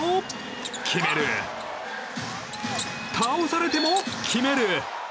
倒されても決める！